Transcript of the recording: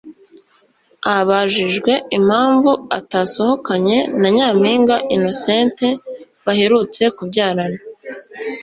Abajijwe impamvu atasohokanye Nyampinga Innocente baherutse kubyarana